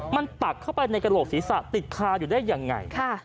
มันตักเข้าไปในกระโหลกศีรษะติดคาอยู่ได้ยังไง